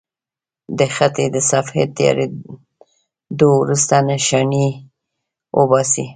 د خټې له صفحې تیارېدو وروسته نښانې وباسئ.